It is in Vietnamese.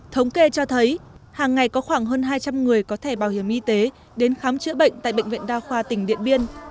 thống kê cho thấy hàng ngày có khoảng hơn hai trăm linh người có thể bảo hiểm y tế đến khám chữa bệnh tại bệnh viện đa khoa tỉnh điện biên